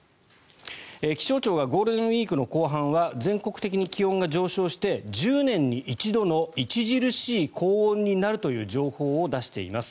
気象庁がゴールデンウィークの後半は全国的に気温が上昇して１０年に一度の著しい高温になるという情報を出しています。